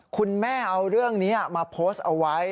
คุณแม่เอาเรื่องนี้มาโพสต์เอาไว้